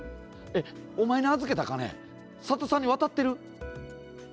お前に預けた金、佐田さんに渡ってる？